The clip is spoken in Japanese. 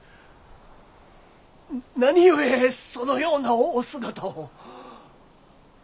何故そのようなお姿を！